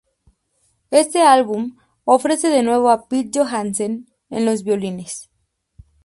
Este álbum ofrece de nuevo a Pete Johansen en los violines.